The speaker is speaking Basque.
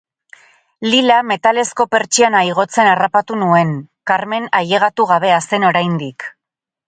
Lila metalezko pertsiana igotzen harrapatu nuen, Carmen ailegatu gabea zen oraindik.